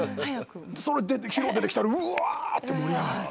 それでヒーロー出てきたらわあーって盛り上がって。